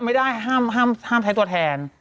ไม่ได้ห้ามใช้ตัวแทน